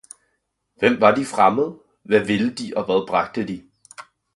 Hvem var de fremmede? Hvad ville de og hvad bragte de?